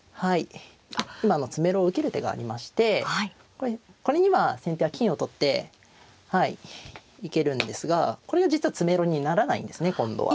今詰めろを受ける手がありましてこれには先手は金を取って行けるんですがこれが実は詰めろにならないんですね今度は。